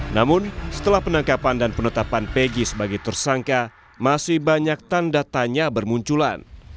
namun setelah penangkapan dan penetapan pg sebagai tersangka masih banyak tanda tanya bermunculan